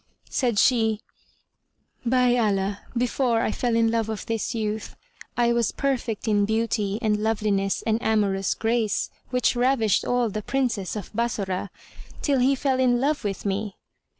Said she, "By Allah, before I fell in love of this youth, I was perfect in beauty and loveliness and amorous grace which ravished all the Princes of Bassorah, till he fell in love with me."